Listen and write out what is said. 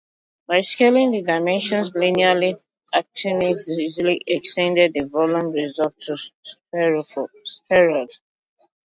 By scaling the dimensions linearly Archimedes easily extended the volume result to spheroids.